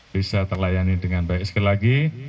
bisa terlayani dengan baik sekali lagi